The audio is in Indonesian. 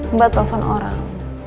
mbak telpon orang